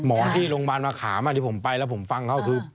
หมอที่โรงพยาบาลมะขามที่ผมไปแล้วผมฟังเขาคือ